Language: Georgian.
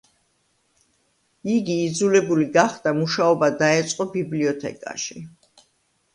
იგი იძულებული გახდა მუშაობა დაეწყო ბიბლიოთეკაში.